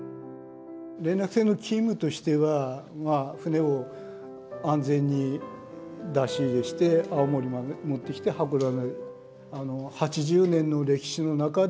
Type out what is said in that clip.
連絡船のチームとしては船を安全に出し入れして青森まで持ってきて函館。